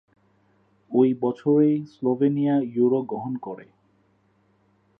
ওই বছরেই Slovenia euro গ্রহণ করে।